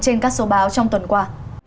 trên các số báo trong tuần qua